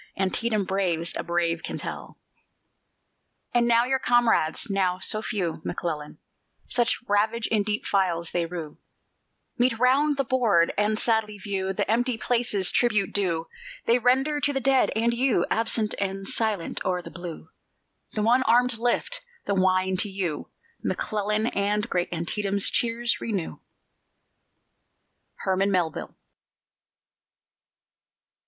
Antietam braves a brave can tell. And when your comrades (now so few, McClellan, Such ravage in deep files they rue) Meet round the board, and sadly view The empty places; tribute due They render to the dead and you! Absent and silent o'er the blue; The one armed lift the wine to you, McClellan, And great Antietam's cheers renew. HERMAN MELVILLE.